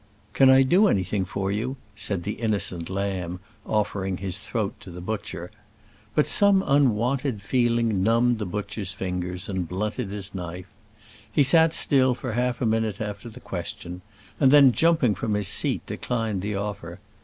"Can I do anything for you?" said the innocent lamb, offering his throat to the butcher. But some unwonted feeling numbed the butcher's fingers, and blunted his knife. He sat still for half a minute after the question, and then jumping from his seat, declined the offer.